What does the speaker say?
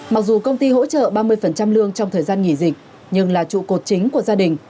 mặc dù công ty hỗ trợ ba mươi lương trong thời gian nghỉ dịch nhưng là trụ cột chính của gia đình